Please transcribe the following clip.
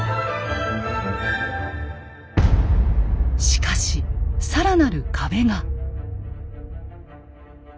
しかし更なる壁が。